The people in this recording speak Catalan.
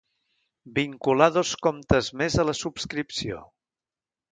Vincular dos comptes més a la subscripció.